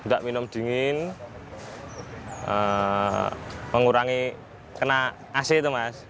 dan perlahan lahan berkumpul ke tempat berkumpul